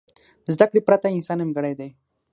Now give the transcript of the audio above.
زده کړې پرته انسان نیمګړی دی.